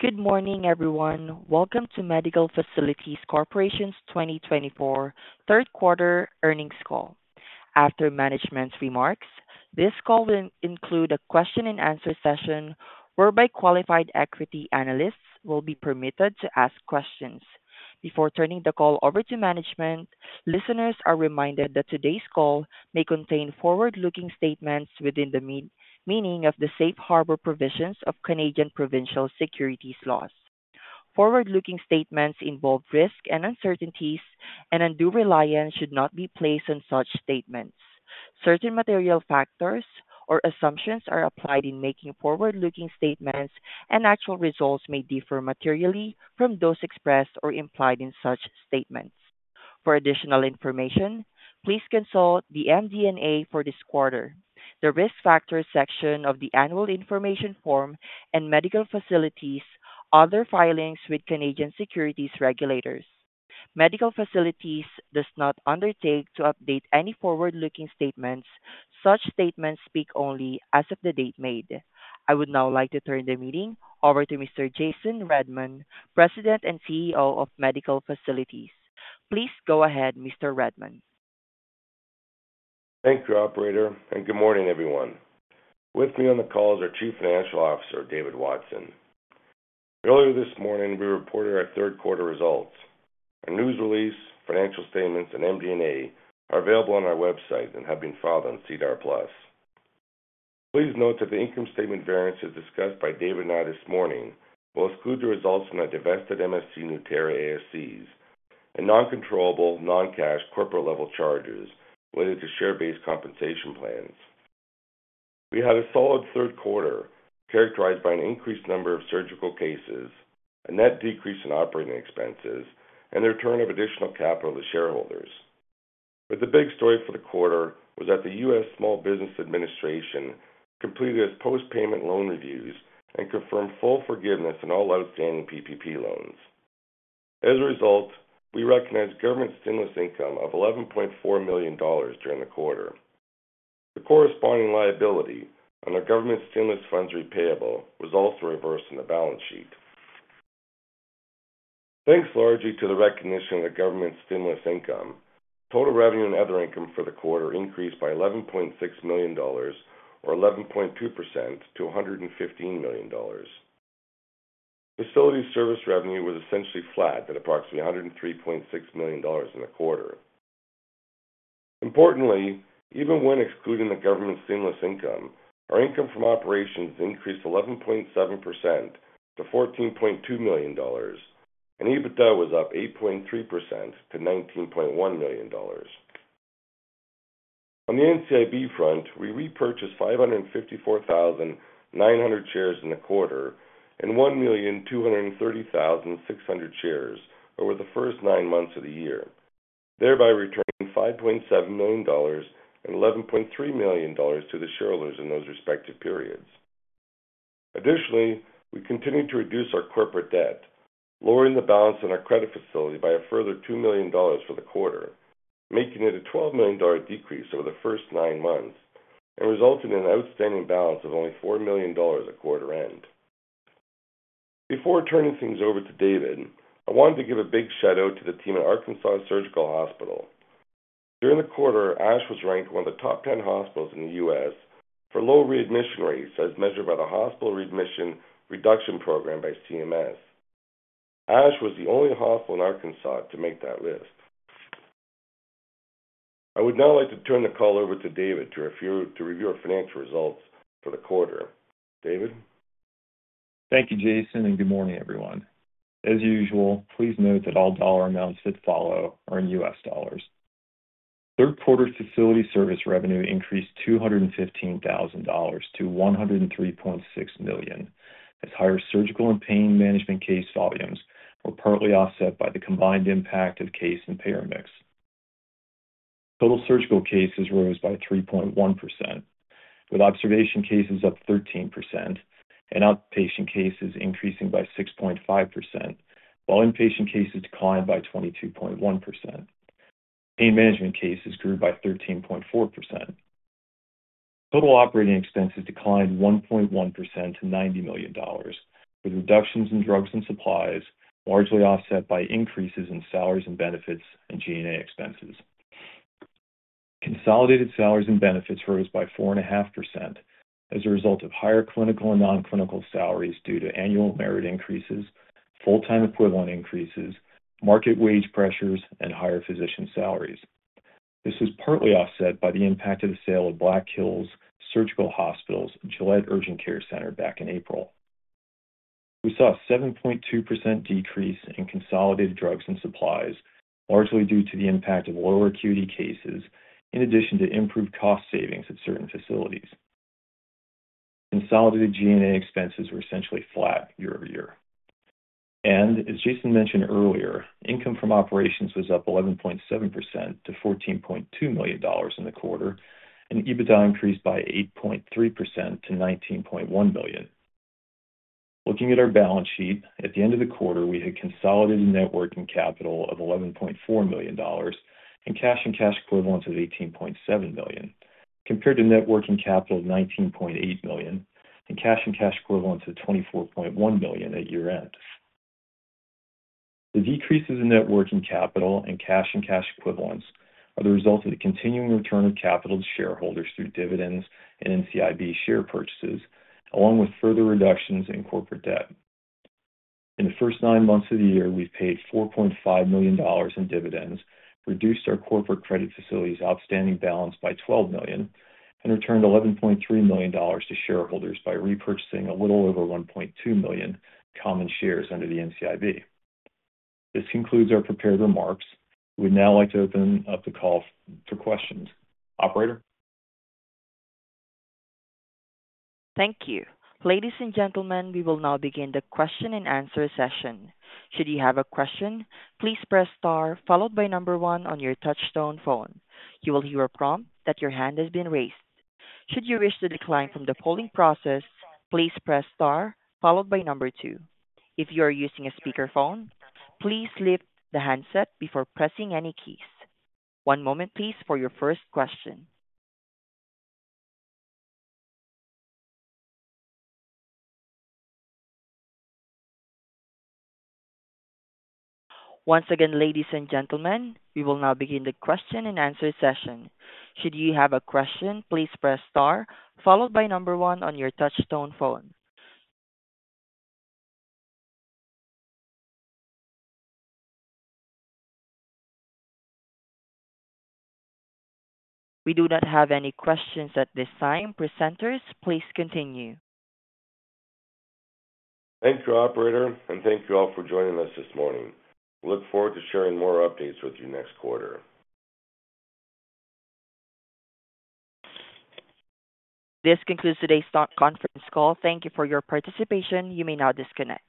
Good morning, everyone. Welcome to Medical Facilities Corporation's 2024 Q3 earnings call. After management's remarks, this call will include a question-and-answer session whereby qualified equity analysts will be permitted to ask questions. Before turning the call over to management, listeners are reminded that today's call may contain forward-looking statements within the meaning of the safe harbor provisions of Canadian provincial securities laws. Forward-looking statements involve risk and uncertainties, and undue reliance should not be placed on such statements. Certain material factors or assumptions are applied in making forward-looking statements, and actual results may differ materially from those expressed or implied in such statements. For additional information, please consult the MD&A for this quarter, the risk factors section of the annual information form, and Medical Facilities' other filings with Canadian securities regulators. Medical Facilities does not undertake to update any forward-looking statements. Such statements speak only as of the date made. I would now like to turn the meeting over to Mr. Jason Redman, President and CEO of Medical Facilities. Please go ahead, Mr. Redman. Thank you, Operator, and good morning, everyone. With me on the call is our Chief Financial Officer, David Watson. Earlier this morning, we reported our Q3 results. Our news release, financial statements, and MD&A are available on our website and have been filed on SEDAR+. Please note that the income statement variance discussed by David and I this morning will exclude the results from the divested MFC Nueterra ASCs and non-controllable, non-cash corporate-level charges related to share-based compensation plans. We had a solid Q3 characterized by an increased number of surgical cases, a net decrease in operating expenses, and the return of additional capital to shareholders. But the big story for the quarter was that the U.S. Small Business Administration completed its post-payment loan reviews and confirmed full forgiveness on all outstanding PPP loans. As a result, we recognized government stimulus income of $11.4 million during the quarter. The corresponding liability on our government stimulus funds repayable was also reversed on the balance sheet. Thanks largely to the recognition of the government stimulus income, total revenue and other income for the quarter increased by $11.6 million, or 11.2%, to $115 million. Facilities service revenue was essentially flat at approximately $103.6 million in the quarter. Importantly, even when excluding the government stimulus income, our income from operations increased 11.7% to $14.2 million, and EBITDA was up 8.3% to $19.1 million. On the NCIB front, we repurchased 554,900 shares in the quarter and 1,230,600 shares over the first nine months of the year, thereby returning $5.7 million and $11.3 million to the shareholders in those respective periods. Additionally, we continued to reduce our corporate debt, lowering the balance on our credit facility by a further $2 million for the quarter, making it a $12 million decrease over the first nine months and resulting in an outstanding balance of only $4 million at quarter end. Before turning things over to David, I wanted to give a big shout-out to the team at Arkansas Surgical Hospital. During the quarter, ASH was ranked one of the top 10 hospitals in the U.S. for low readmission rates, as measured by the Hospital Readmission Reduction Program by CMS. ASH was the only hospital in Arkansas to make that list. I would now like to turn the call over to David to review our financial results for the quarter. David? Thank you, Jason, and good morning, everyone. As usual, please note that all dollar amounts that follow are in U.S. dollars. Q3 facility service revenue increased $215,000 to $103.6 million, as higher surgical and pain management case volumes were partly offset by the combined impact of case and payer mix. Total surgical cases rose by 3.1%, with observation cases up 13% and outpatient cases increasing by 6.5%, while inpatient cases declined by 22.1%. Pain management cases grew by 13.4%. Total operating expenses declined 1.1% to $90 million, with reductions in drugs and supplies largely offset by increases in salaries and benefits and G&A expenses. Consolidated salaries and benefits rose by 4.5% as a result of higher clinical and non-clinical salaries due to annual merit increases, full-time equivalent increases, market wage pressures, and higher physician salaries. This was partly offset by the impact of the sale of Black Hills Surgical Hospital's Gillette Urgent Care Center back in April. We saw a 7.2% decrease in consolidated drugs and supplies, largely due to the impact of lower acuity cases, in addition to improved cost savings at certain facilities. Consolidated G&A expenses were essentially flat year over year. As Jason mentioned earlier, income from operations was up 11.7% to $14.2 million in the quarter, and EBITDA increased by 8.3% to $19.1 million. Looking at our balance sheet, at the end of the quarter, we had consolidated net working capital of $11.4 million and cash and cash equivalents of $18.7 million, compared to net working capital of $19.8 million and cash and cash equivalents of $24.1 million at year-end. The decreases in net working capital and cash and cash equivalents are the result of the continuing return of capital to shareholders through dividends and NCIB share purchases, along with further reductions in corporate debt. In the first nine months of the year, we've paid $4.5 million in dividends, reduced our corporate credit facility's outstanding balance by $12 million, and returned $11.3 million to shareholders by repurchasing a little over 1.2 million common shares under the NCIB. This concludes our prepared remarks. We'd now like to open up the call for questions. Operator? Thank you. Ladies and gentlemen, we will now begin the question-and-answer session. Should you have a question, please press star followed by number one on your touch-tone phone. You will hear a prompt that your hand has been raised. Should you wish to decline from the polling process, please press star followed by number two. If you are using a speakerphone, please lift the handset before pressing any keys. One moment, please, for your first question. Once again, ladies and gentlemen, we will now begin the question-and-answer session. Should you have a question, please press star followed by number one on your touch-tone phone. We do not have any questions at this time. Presenters, please continue. Thank you, Operator, and thank you all for joining us this morning. We look forward to sharing more updates with you next quarter. This concludes today's conference call. Thank you for your participation. You may now disconnect.